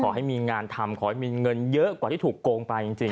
ขอให้มีงานทำขอให้มีเงินเยอะกว่าที่ถูกโกงไปจริง